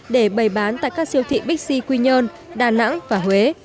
để bày bán tại các siêu thị bixi quy nhơn đà nẵng và huế